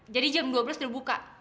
jadi jam dua belas udah buka